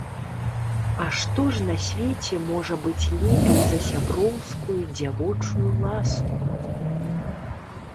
А што ж на свеце можа быць лепей за сяброўскую дзявочую ласку?